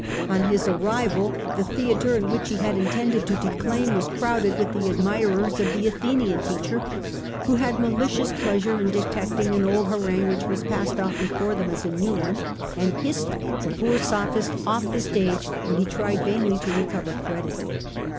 On his arrival the theatre in which he had intended to declaim was crowded with the admirers of the Athenian teacher, who had malicious pleasure in detecting an old harangue which was passed off before them as a new one, and hissed the poor Sophist off the stage when he tried vainly to recover credit.